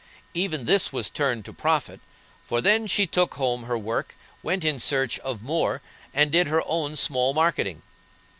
Even this was turned to profit, for then she took home her work, went in search of more, and did her own small marketing.